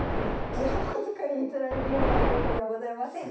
いやお小遣いに釣られるような女の子ではございません。